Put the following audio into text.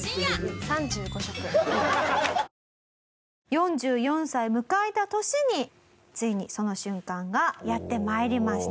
４４歳迎えた年についにその瞬間がやって参りました。